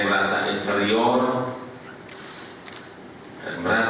artinya kita ini sudah masuk golongan negara besar